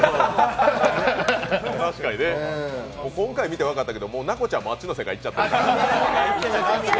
今回見て分かったけど、奈子ちゃんもあっちの世界行ってた。